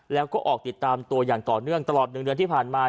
แล้วก็ออกติดตามตัวอย่างต่อเนื่องตลอด๑เดือนที่ผ่านมา